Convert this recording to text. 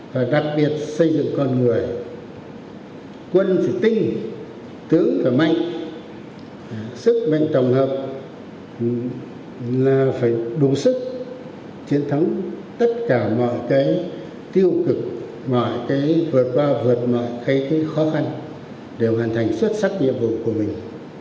và đặc biệt xây dựng con người quân tỉnh tướng và mạnh sức mạnh trồng hợp là phải đủ sức chiến thắng tất cả mọi cái tiêu cực mọi cái vượt qua vượt mọi cái khó khăn để hoàn thành xuất sắc nhiệm vụ của mình